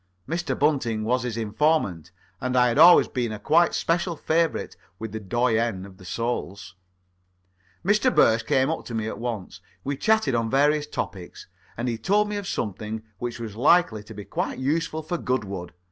Mr. Bunting was his informant, and I had always been a quite special favourite of the doyen of the Soles. Mr. Birsch came up to me at once. We chatted on various topics, and he told me of something which was likely to be quite useful for Goodwood.